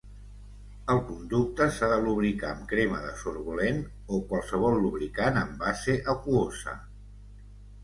El conducte s'ha de lubricar amb crema de sorbolene o qualsevol lubricant en base aquosa.